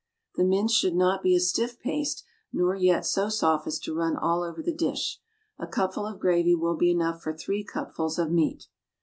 The mince should not be a stiff paste, nor yet so soft as to run all over the dish. A cupful of gravy will be enough for three cupfuls of meat.